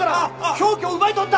凶器を奪い取った！